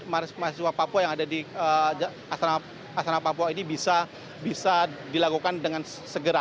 mahasiswa papua yang ada di asrama papua ini bisa dilakukan dengan segera